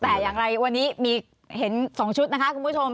แต่อย่างไรวันนี้มีเห็น๒ชุดนะคะคุณผู้ชม